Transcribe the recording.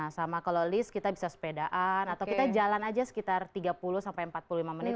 sama kalau list kita bisa sepedaan atau kita jalan aja sekitar tiga puluh sampai empat puluh lima menit